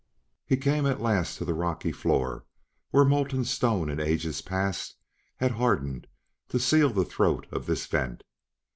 He came at last to the rocky floor where molten stone in ages past had hardened to seal the throat of this vent.